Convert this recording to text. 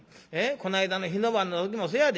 こないだの火の番の時もせやで。